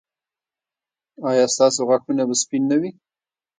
ایا ستاسو غاښونه به سپین نه وي؟